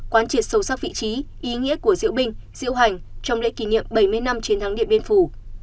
quán triệt sâu sắc vị trí ý nghĩa của diễu binh diễu hành trong lễ kỷ niệm bảy mươi năm chiến thắng điện biên phủ